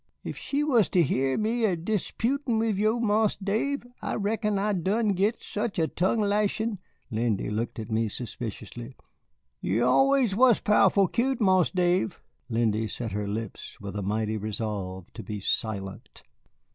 Ef she was ter hear me er disputin' wid yo', Marse Dave, I reckon I'd done git such er tongue lashin' " Lindy looked at me suspiciously. "Yo' er allus was powe'rful cute, Marse Dave." Lindy set her lips with a mighty resolve to be silent.